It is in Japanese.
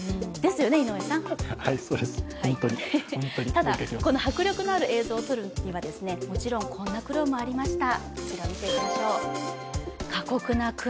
ただ、迫力のある映像を撮るにはもちろんこんな苦労もありました。